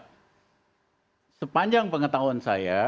nah sepanjang pengetahuan saya